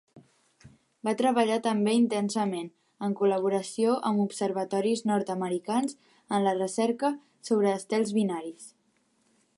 Va treballar també intensament, en col·laboració amb observatoris nord-americans, en la recerca sobre estels binaris.